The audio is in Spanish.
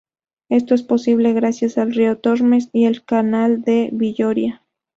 Esto es posible gracias al río Tormes y el Canal de Villoria.